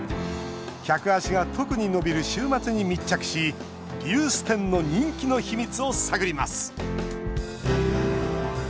客足が特に伸びる週末に密着しリユース店の人気の秘密を探ります。